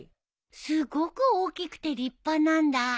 すごく大きくて立派なんだ。